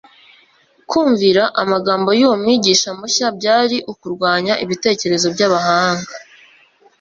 Kumvira amagambo y'uwo Mwigisha mushya byari ukurwanya ibitekerezo by'abahanga